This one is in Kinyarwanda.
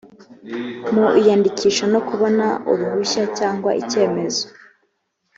mu iyandikisha no kubona uruhushya cyangwa icyemezo